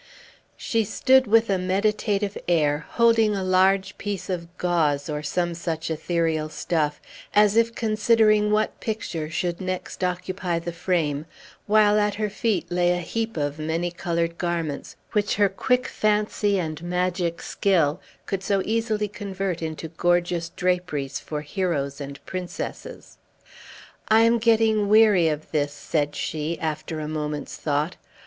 She stood with a meditative air, holding a large piece of gauze, or some such ethereal stuff, as if considering what picture should next occupy the frame; while at her feet lay a heap of many colored garments, which her quick fancy and magic skill could so easily convert into gorgeous draperies for heroes and princesses. "I am getting weary of this," said she, after a moment's thought.